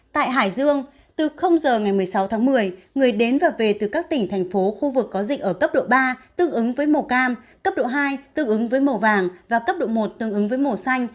tại hải dương từ giờ ngày một mươi sáu tháng một mươi người đến và về từ các tỉnh thành phố khu vực có dịch ở cấp độ ba tương ứng với màu cam cấp độ hai tương ứng với màu vàng và cấp độ một tương ứng với màu xanh